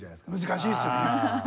難しいですよね。